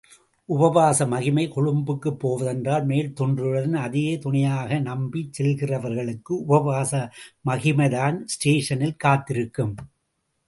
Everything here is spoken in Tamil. உபவாச மகிமை கொழும்புக்குப் போவதென்றால் மேல்துண்டுடன், அதையே துணையாக நம்பிச் செல்லுகிறவர்களுக்கு உபவாச மகிமைதான் ஸ்டேஷனில் காத்திருக்கும்.